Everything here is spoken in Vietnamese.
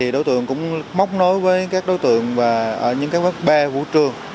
đối tượng cũng móc nối với các đối tượng ở những các bác ba vũ trường